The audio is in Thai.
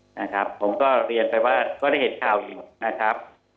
นะครับผมก็เรียนไปว่าก็ได้เห็นข่าวอยู่นะครับ